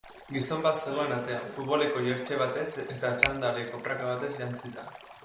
Gizon bat zegoen atean, futboleko jertse batez eta txandaleko praka batez jantzita.